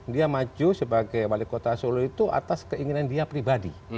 dia maju sebagai wali kota solo itu atas keinginan dia pribadi